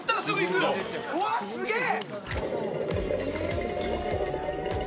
うわ、すげぇ！